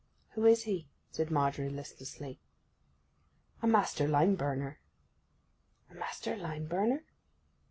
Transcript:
'Who is he?' said Margery listlessly. 'A master lime burner.' 'A master lime burner?